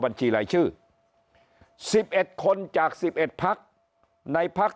บัญชีรายชื่อ๑๑คนจาก๑๑พักในพัก